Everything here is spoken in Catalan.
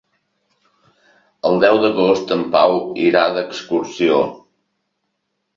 El deu d'agost en Pau irà d'excursió.